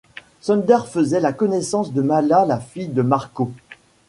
Sunder fait la connaissance de Mala la fille de Marco.